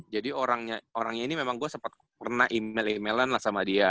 jadi orangnya ini memang gua sempet pernah email emailan lah sama dia